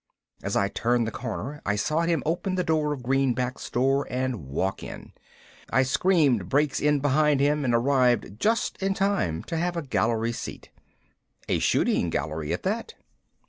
As I turned the corner I saw him open the door of Greenback's store and walk in. I screamed brakes in behind him and arrived just in time to have a gallery seat. A shooting gallery at that.